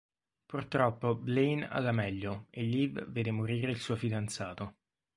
Purtroppo Blaine ha la meglio e Liv vede morire il suo fidanzato.